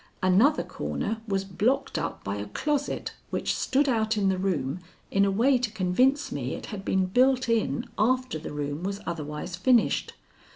Another corner was blocked up by a closet which stood out in the room in a way to convince me it had been built in after the room was otherwise finished.